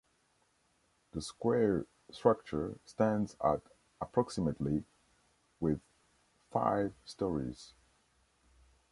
The square structure stands at approximately with five stories.